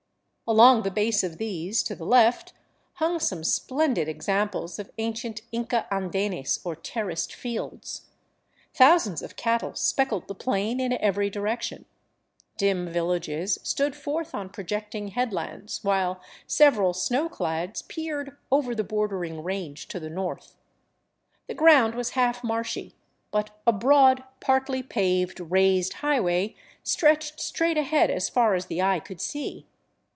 Along the base of these, to the left, hung some splendid examples of ancient Inca andenes, or terraced fields. Thousands of cattle speckled the plain in every direction, dim villages stood forth on projecting headlands, while several snow clads peered over the bor dering range to the north. The ground was half marshy, but a broad,, partly paved, raised highway stretched straight ahead as far as the eye could see.